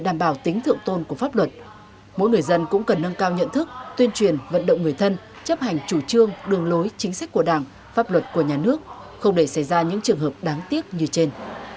để đảm bảo tính thượng tôn của pháp luật mỗi người dân cũng cần nâng cao nhận thức tuyên truyền vận động người thân chấp hành chủ trương đường lối chính sách của đảng pháp luật của nhà nước không để xảy ra những trường hợp đáng tiếc như trên